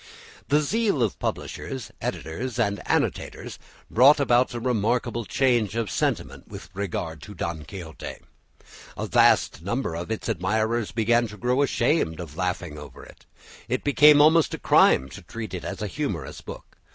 The zeal of publishers, editors, and annotators brought about a remarkable change of sentiment with regard to "Don Quixote." A vast number of its admirers began to grow ashamed of laughing over it. It became almost a crime to treat it as a humorous book.